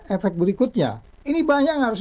efek berikutnya ini banyak yang harus